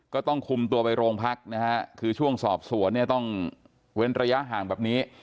ก็ต้องคุมตัวไปโรงพักนะฮะคือช่วงสอบสวนเนี่ยต้องเว้นระยะห่างแบบนี้